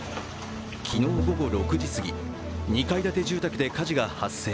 昨日、午後６時すぎ２階建て住宅で火事が発生。